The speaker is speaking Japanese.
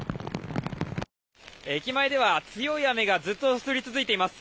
駅前では強い雨がずっと降り続いています。